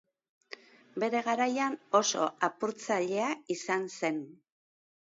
Bere garaian oso apurtzailea izan zen.